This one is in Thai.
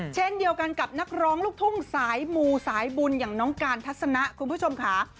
เช่นเดียวกันกับนักร้องลูกทุ่งสายมูสายบุญอย่างน้องการทัศนะคุณผู้ชมค่ะ